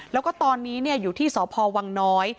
แล้วก็ตอนนี้อยู่ที่สพวังน้อย